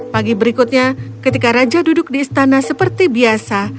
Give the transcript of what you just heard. pagi berikutnya ketika raja duduk di istana seperti biasa